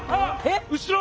後ろ！